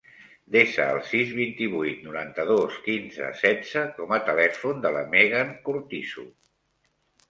Desa el sis, vint-i-vuit, noranta-dos, quinze, setze com a telèfon de la Megan Cortizo.